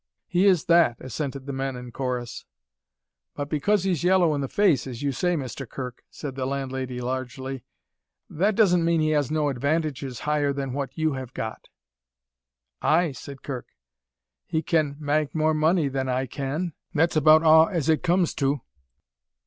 "He is that," assented the men in chorus. "But because he's yellow in the face, as you say, Mr. Kirk," said the landlady largely, "that doesn't mean he has no advantages higher than what you have got." "Ay," said Kirk. "He can ma'e more money than I can that's about a' as it comes to."